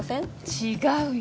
違うよ